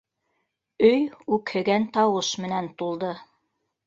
Өй үкһегән тауыш менән тулды.